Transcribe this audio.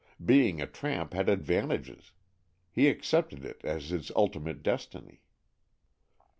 Being a tramp had advantages. He accepted it as his ultimate destiny.